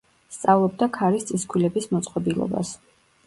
სწავლობდა ქარის წისქვილების მოწყობილობას.